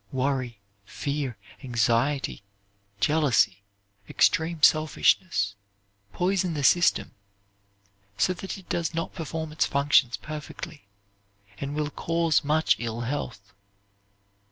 Worry, fear, anxiety, jealousy, extreme selfishness, poison the system, so that it does not perform its functions perfectly, and will cause much ill health.